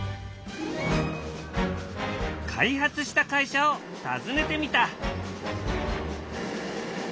開発した会社を訪ねてみた。